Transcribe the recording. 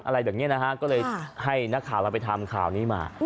อะไรแบบนี้นะฮะก็เลยให้นักข่าวเราไปทำข่าวนี้มา